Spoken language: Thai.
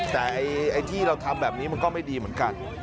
แต่ไอ้ที่เราทำแบบนี้มันก็ไม่ดีเหมือนกัน